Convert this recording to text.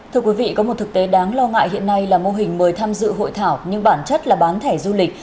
thưa quý vị có một thực tế đáng lo ngại hiện nay là mô hình mời tham dự hội thảo nhưng bản chất là bán thẻ